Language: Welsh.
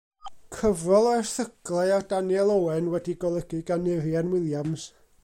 Cyfrol o erthyglau ar Daniel Owen wedi'i golygu gan Urien Williams.